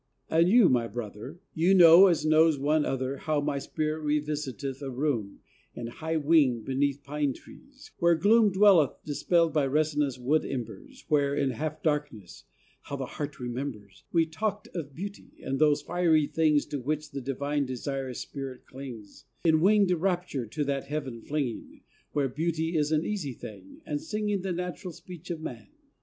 And you, my Brother, You know, as knows one other, How my spirit revisiteth a room In a high wing, beneath pine trees, where gloom Dwelleth, dispelled by resinous wood embers, Where, in half darkness ... How the heart remembers... We talked of beauty, and those fiery things To which the divine desirous spirit clings, In a wing’d rapture to that heaven flinging, Where beauty is an easy thing, and singing The natural speech of man.